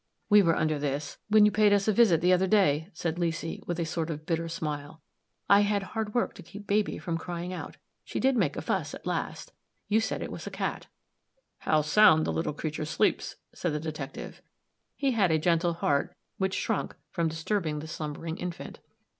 "We were under this when you paid us a visit the other day," said Leesy, with a sort of bitter smile. "I had hard work to keep baby from crying out. She did make a fuss at last; you said it was a cat." "How sound the little creature sleeps," said the detective. He had a gentle heart, which shrunk from disturbing the slumbering infant.